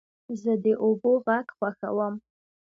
زه د اوبو غږ خوښوم.